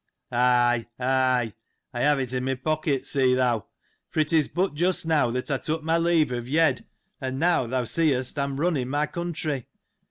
— Ay, ay ; I have it in my pocket, see thou : for it is but just now that I took my leave of Yed, and now thou seest I am running my country.